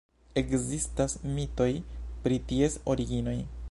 Ekzistas mitoj pri ties originoj.